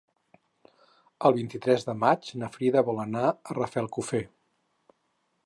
El vint-i-tres de maig na Frida vol anar a Rafelcofer.